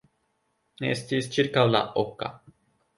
Estis ĉirkaŭ la oka.